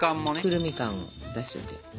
くるみ感を出しといて。